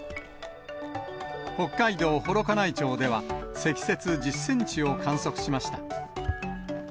北海道幌加内町では、積雪１０センチを観測しました。